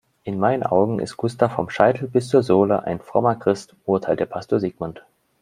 In meinen Augen ist Gustav vom Scheitel bis zur Sohle ein frommer Christ, urteilte Pastor Sigmund.